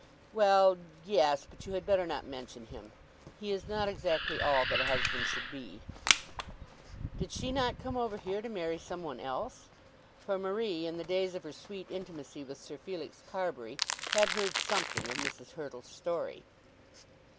"Well, yes; but you had better not mention him. He is not exactly all that a husband should be." "Did she not come over here to marry some one else?" For Marie in the days of her sweet intimacy with Sir Felix Carbury had heard something of Mrs. Hurtle's story.